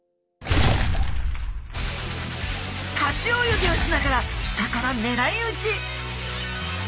立ち泳ぎをしながら下からねらいうち！